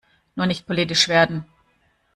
Nur nicht politisch werden!